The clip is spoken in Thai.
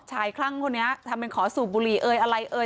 คลั่งคนนี้ทำเป็นขอสูบบุหรี่เอ่ยอะไรเอ่ย